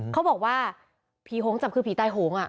เขาบอกว่าผีหงจับคือผีตายโหง